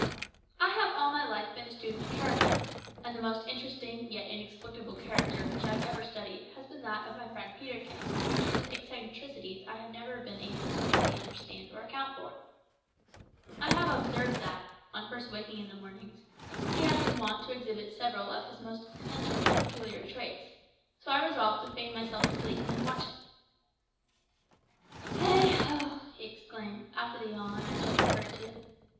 I have all my life been a student of character, and the most interesting yet inexplicable character which I have ever studied has been that of my friend Peterkin, whose eccentricities I have never been able fully to understand or account for. I have observed that, on first awaking in the mornings, he has been wont to exhibit several of his most eccentric and peculiar traits, so I resolved to feign myself asleep and watch him. "Heigh ho!" he exclaimed, after the yawn I have just referred to.